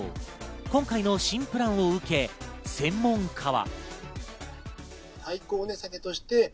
今回の新プランを受け専門家は。